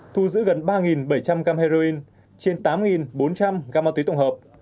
thu giữ gần ba bảy trăm linh gam heroin trên tám bốn trăm linh gam ma túy tổng hợp